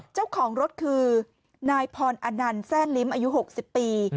เจ้าของรถคือนายพรอนันต์แซ่ลิ้มอายุ๖๐ปี